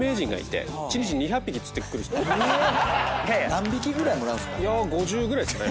何匹ぐらいもらうんすか？